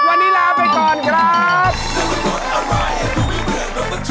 วันนี้ลาไปก่อนครับ